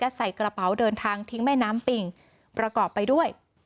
ใส่กระเป๋าเดินทางทิ้งแม่น้ำปิ่งประกอบไปด้วย